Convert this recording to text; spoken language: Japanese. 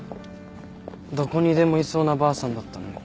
どこにでもいそうなばあさんだったのに。